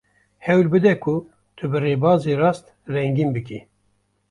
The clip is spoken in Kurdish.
Hewil bide ku tu bi rêbazê rast rengîn bikî.